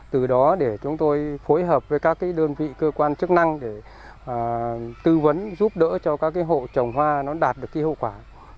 từ đó để chúng tôi phối hợp với các đơn vị cơ quan chức năng để tư vấn giúp đỡ cho các hộ trồng hoa nó đạt được cái hậu quả